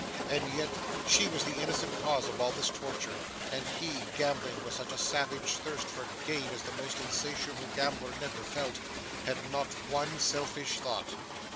And yet she was the innocent cause of all this torture, and he, gambling with such a savage thirst for gain as the most insatiable gambler never felt, had not one selfish thought!